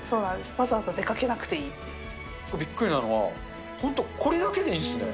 わざわざ出かびっくりなのは、本当、これだけでいいんですね。